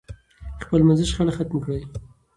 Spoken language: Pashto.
خپل منځي شخړې ختمې کړئ.